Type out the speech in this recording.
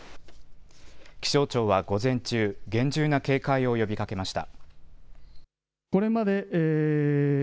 気象庁は午前中、厳重な警戒を呼びかけました。